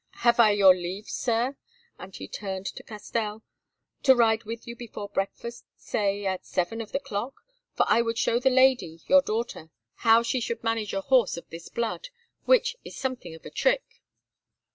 Have I your leave, Sir," and he turned to Castell, "to ride with you before breakfast, say, at seven of the clock, for I would show the lady, your daughter, how she should manage a horse of this blood, which is something of a trick?"